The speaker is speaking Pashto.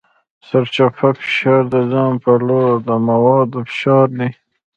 سرچپه فشار د ځان په لور د موادو فشار دی.